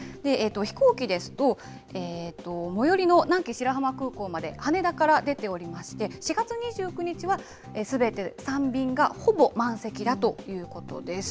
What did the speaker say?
飛行機ですと、最寄りの南紀白浜空港まで羽田から出ておりまして、４月２９日はすべて３便がほぼ満席だということです。